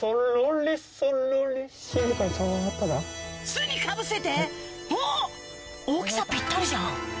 巣にかぶせておぉ大きさぴったりじゃん